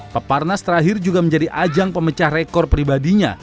peparnas terakhir juga menjadi ajang pemecah rekor pribadinya